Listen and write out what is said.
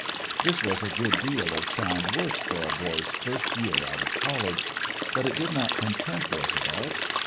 This was a good deal of sound work for a boy's first year out of college. But it did not content Roosevelt.